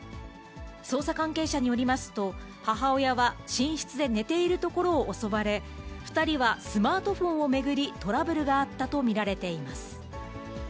捜査関係者によりますと、母親は寝室で寝ているところを襲われ、２人はスマートフォンを巡りトラブルがあったと見られています。